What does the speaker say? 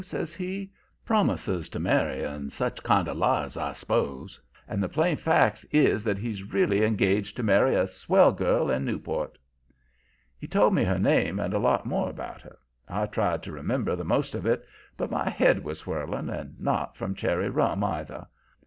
says he. 'Promises to marry and such kind of lies, I s'pose. And the plain fact is that he's really engaged to marry a swell girl in Newport.' "He told me her name and a lot more about her. I tried to remember the most of it, but my head was whirling and not from cherry rum, either.